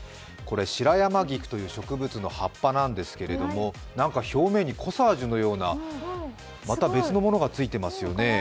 シラヤマギクという植物の葉っぱなんですけれども、なんか表面にコサージュのようなまた別のものがついてますよね。